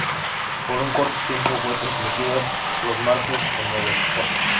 Por un corto tiempo, fue transmitido los martes en Eurosport.